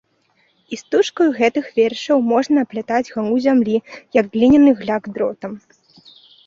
Істужкаю гэтых вершаў можна аплятаць галу зямлі, як гліняны гляк дротам.